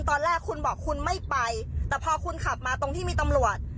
ตอนแรกคุณบอกคุณไม่ไปแต่พอคุณขับมาตรงที่มีตำรวจ